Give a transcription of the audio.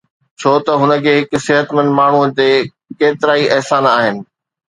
ڇوته هن کي هڪ صحتمند ماڻهوءَ تي ڪيترائي احسان آهن